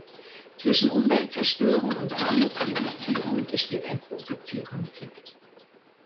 Zwischen Umweltzerstörung und Armutsreduzierung besteht ein großer Zielkonflikt.